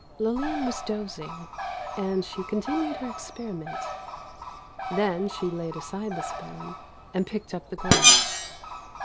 Lillian was dozing, and she continued her experiment. Then she laid aside the spoon and picked up the glass.